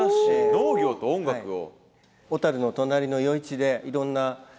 農業と音楽を。